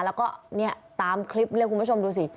แล้วก็เนี่ยตามคลิปเลยคุณผู้ชมดูสิ